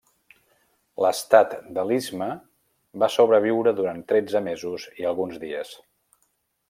L'Estat de l'Istme va sobreviure durant tretze mesos i alguns dies.